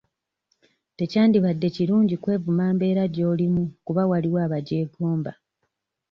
Tekyandibadde kirungi kwevuma mbeera gy'olimu kuba waliwo abagyegomba.